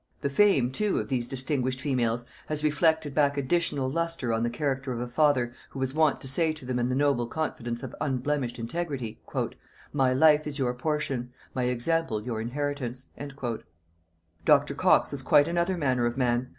The fame, too, of these distinguished females has reflected back additional lustre on the character of a father, who was wont to say to them in the noble confidence of unblemished integrity, "My life is your portion, my example your inheritance." Dr. Cox was quite another manner of man.